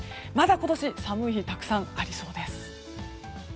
まだ今年、寒い日がたくさんありそうです。